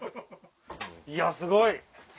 いやすごい！